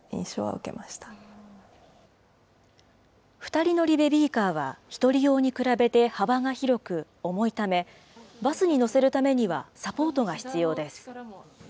２人乗りベビーカーは１人用に比べて幅が広く重いため、バスに乗せるためには、サポートが必要です。